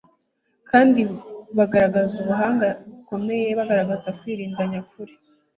kandi bagatanga ubuhamya bukomeye bagaragaza kwirinda nyakuri